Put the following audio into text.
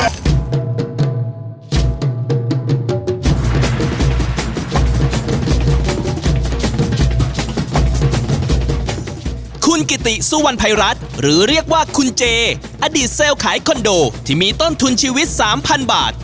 คุณกิติสุวรรณภัยรัฐหรือเรียกว่าคุณเจอดีตเซลล์ขายคอนโดที่มีต้นทุนชีวิต๓๐๐บาท